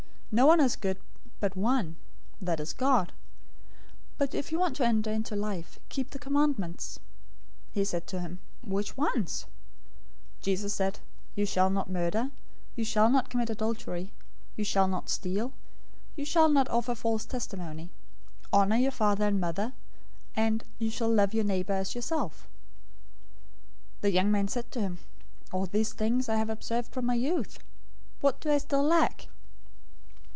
No one is good but one, that is, God. But if you want to enter into life, keep the commandments." 019:018 He said to him, "Which ones?" Jesus said, "'You shall not murder.' 'You shall not commit adultery.' 'You shall not steal.' 'You shall not offer false testimony.' 019:019 'Honor your father and mother.'{Exodus 20:12 16; Deuteronomy 5:16 20} And, 'You shall love your neighbor as yourself.'"{Leviticus 19:18} 019:020 The young man said to him, "All these things I have observed from my youth. What do I still lack?"